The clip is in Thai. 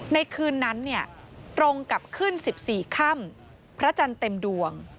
ในคืนนั้นตรงกับขึ้น๑๔ค่ำพระจันทร์เต็มดวง